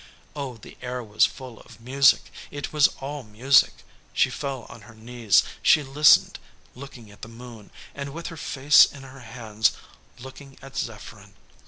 Oh, the air was full of music! It was all music! She fell on her knees; she listened, looking at the moon; and, with her face in her hands, looking at Zepherin.